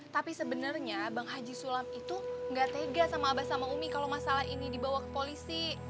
tapi sebenarnya bang haji sulam itu nggak tega sama abah sama umi kalau masalah ini dibawa ke polisi